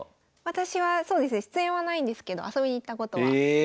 私はそうですね出演はないんですけど遊びに行ったことは。え。